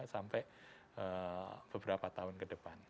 sampai beberapa tahun ke depan